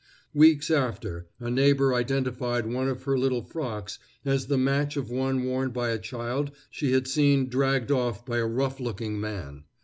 Weeks after, a neighbor identified one of her little frocks as the match of one worn by a child she had seen dragged off by a rough looking man.